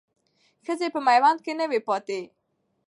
ښځې په میوند کې نه وې پاتې.